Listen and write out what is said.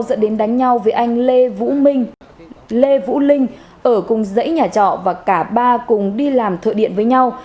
dẫn đến đánh nhau với anh lê vũ linh ở cùng dãy nhà trọ và cả ba cùng đi làm thợ điện với nhau